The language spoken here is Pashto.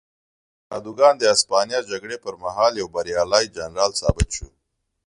کادوګان د هسپانیا جګړې پر مهال یو بریالی جنرال ثابت شو.